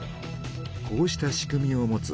こうした仕組みを持つ